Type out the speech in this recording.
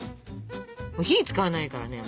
火使わないからね。